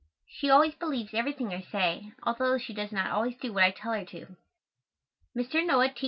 She always believes everything I say, although she does not always do what I tell her to. Mr. Noah T.